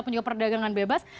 atau juga perdagangan bebas